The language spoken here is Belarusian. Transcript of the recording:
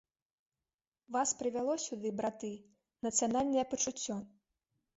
Вас прывяло сюды, браты, нацыянальнае пачуццё.